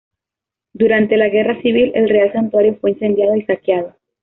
Durante la Guerra Civil el Real Santuario fue incendiado y saqueado.